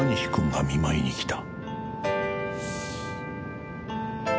「Ａ．Ｋ が見舞いに来た」